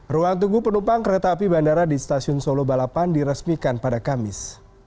ruang tunggu penumpang kereta api bandara di stasiun solo balapan diresmikan pada kamis